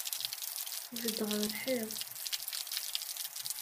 Bedd ɣer lḥiḍ!